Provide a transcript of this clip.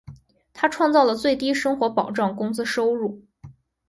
他创造了最低生活保障工资收入。